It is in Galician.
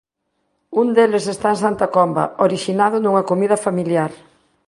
Un deles está en Santa Comba, orixinado nunha comida familiar.